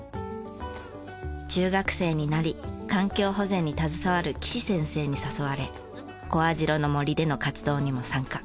中学生になり環境保全に携わる岸先生に誘われ小網代の森での活動にも参加。